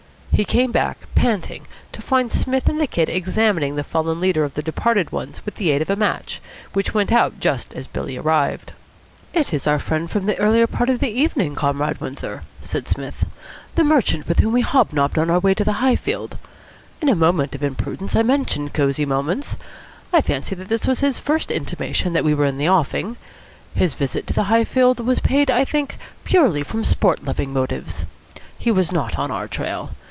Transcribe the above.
He came back, panting, to find Psmith and the Kid examining the fallen leader of the departed ones with the aid of a match, which went out just as Billy arrived. "It is our friend of the earlier part of the evening, Comrade Windsor," said Psmith. "The merchant with whom we hob nobbed on our way to the Highfield. In a moment of imprudence I mentioned Cosy Moments. I fancy that this was his first intimation that we were in the offing. His visit to the Highfield was paid, I think, purely from sport loving motives. He was not on our trail.